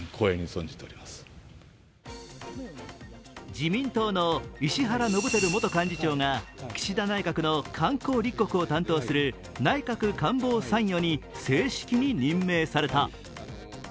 自民党の石原伸晃元幹事長が岸田内閣の観光立国を担当する内閣官房参与に正式に任命された。